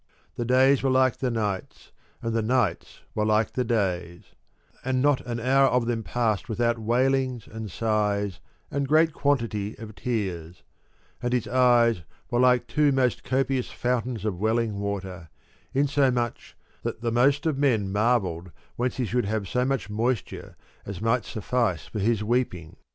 The days were like the nights, and the nights were like the days ; and not an hour of them passed without k wailings and sighs and great quantity of tears ; and his eyes were like two most copious fountains of welling water, in so much that the most part of men marvelled whence he should have so much moisture as might suffice for his weeping.